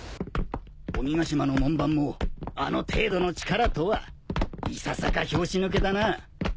鬼ヶ島の門番もあの程度の力とはいささか拍子抜けだな。